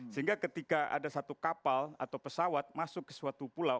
sehingga ketika ada satu kapal atau pesawat masuk ke suatu pulau